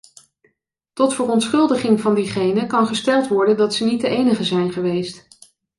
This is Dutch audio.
Tot verontschuldiging van diegenen kan gesteld worden dat zij niet de enigen zijn geweest.